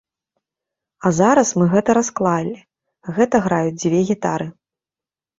А зараз мы гэта расклалі, гэта граюць дзве гітары.